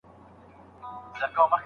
کمپیوټر مه ماتوه.